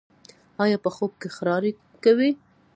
ایا په خوب کې خراری کوئ؟